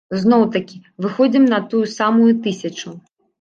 Зноў-такі выходзім на тую самую тысячу.